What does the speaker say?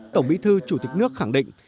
tổng bí thư chủ tịch nước khẳng định